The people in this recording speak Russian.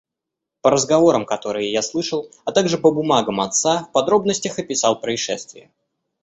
По разговорам, которые я слышал, а также по бумагам отца, в подробностях описал происшествие.